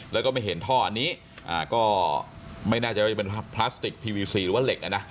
แล้วก็ไม่เห็นท่ออันนี้ก็ไม่แน่ใจว่าจะเป็นพลาสติกทีวีซีหรือว่าเหล็กนะ